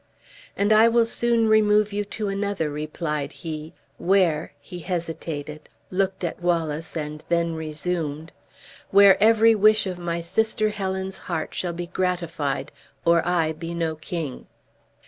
"And I will soon remove you to another," replied he, "where" he hesitated looked at Wallace and then resumed: "where every wish of my sister Helen's heart shall be gratified, or I be no king."